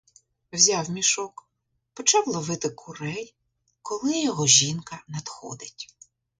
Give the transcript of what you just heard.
Взяв мішок, почав ловити курей, коли його жінка надходить.